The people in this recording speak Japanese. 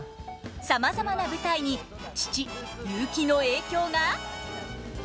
さまざまな舞台に父雄輝の影響が？